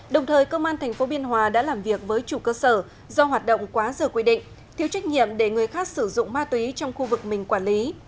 đồng thời công an tp biên hòa đã làm việc với chủ cơ sở do hoạt động quá giờ quy định thiếu trách nhiệm để người khác sử dụng ma túy trong khu vực mình quản lý